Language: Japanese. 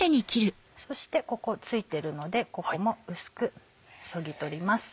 そしてここ付いてるのでここも薄くそぎ取ります。